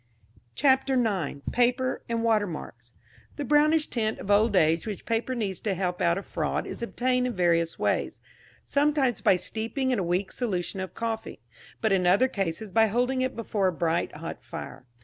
CHAPTER IX. PAPER AND WATERMARKS. The brownish tint of old age which paper needs to help out a fraud is obtained in various ways sometimes by steeping in a weak solution of coffee, but in other cases by holding it before a bright hot fire.